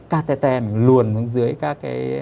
cateter luồn xuống dưới các cái